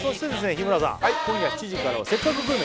日村さん今夜７時からは「せっかくグルメ！！」